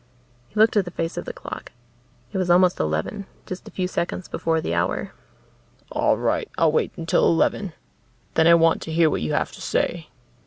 He looked at the face of the clock. It was almost eleven, just a few seconds before the hour. "All right. I'll wait until eleven. Then I want to hear what you have to say.